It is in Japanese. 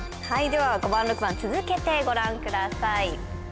はいでは５番６番続けてご覧ください